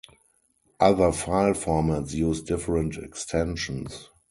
Other file formats use different extensions.